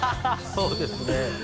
そうですね